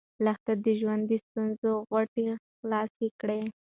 لښتې د ژوند د ستونزو غوټې خلاصې کړې.